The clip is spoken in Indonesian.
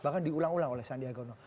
bahkan diulang ulang oleh sandiaga uno